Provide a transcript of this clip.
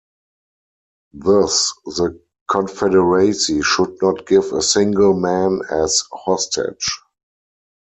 Thus the Confederacy should not give a single man as hostage.